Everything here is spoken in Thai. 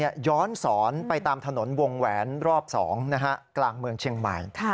ย้อนสอนไปตามถนนวงแหวนรอบ๒กลางเมืองเชียงใหม่